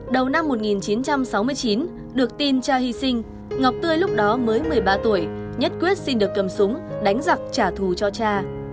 đầu năm một nghìn chín trăm sáu mươi chín được tin cha hy sinh ngọc tươi lúc đó mới một mươi ba tuổi nhất quyết xin được cầm súng đánh giặc trả thù cho cha